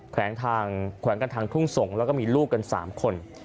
แขวงถังขวางกันทางทุ่งุ่งแล้วลูกกัน๓คน